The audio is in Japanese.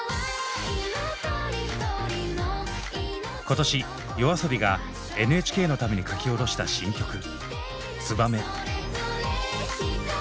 今年ＹＯＡＳＯＢＩがＮＨＫのために書き下ろした新曲「ツバメ」。